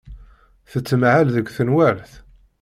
Tettmahal deg tenwalt?